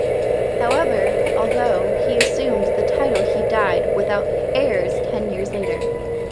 However although he assumed the title he died without heirs ten years later.